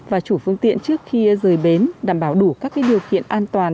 và chủ phương tiện trước khi rời bến đảm bảo đủ các điều kiện an toàn